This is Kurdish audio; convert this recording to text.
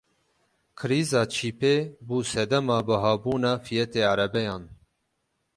Krîza çîpê bû sedema bihabûna fiyetê erebeyan.